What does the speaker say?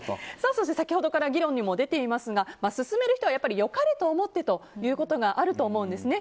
そして先ほどから議論にも出ていますが勧める人は良かれと思ってということがあると思うんですね。